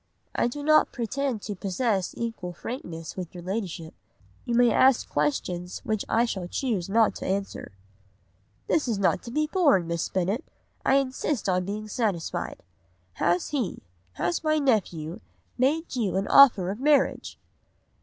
"'I do not pretend to possess equal frankness with your Ladyship. You may ask questions which I shall not choose to answer.' "'This is not to be borne, Miss Bennet, I insist on being satisfied. Has he, has my nephew, made you an offer of marriage?